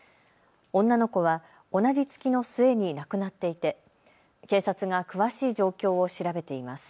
女の子は同じ月の末に亡くなっていて警察が詳しい状況を調べています。